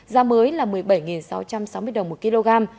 giá mới là một mươi bảy sáu trăm sáu mươi đồng một kg